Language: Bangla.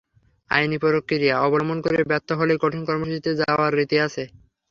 আইনি প্রক্রিয়া অবলম্বন করে ব্যর্থ হলেই কঠিন কর্মসূচিতে যাওয়ার রীতি আছে।